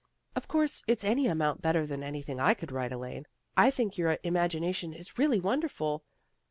" Of course it's any amount better than any thing I could write, Elaine. I think your im agination is really wonderful.